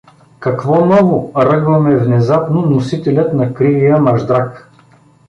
— Какво ново? — ръгва ме внезапно носителят на кривия маждрак.